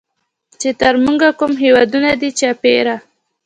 چې تر مونږ کوم هېوادونه دي چاپېره